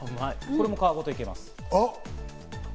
これも皮ごといけます。